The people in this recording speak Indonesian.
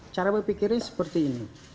cara berpikirnya seperti ini